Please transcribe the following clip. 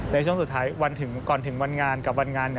ในช่วงสุดท้ายก่อนถึงวันงานกับวันงาน